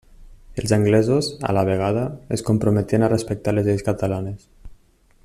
Els anglesos, a la vegada, es comprometien a respectar les lleis catalanes.